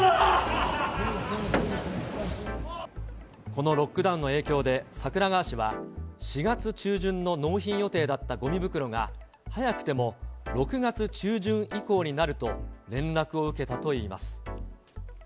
このロックダウンの影響で、桜川市は、４月中旬の納品予定だったごみ袋が早くても６月中旬以降になると連絡を受けたといいます。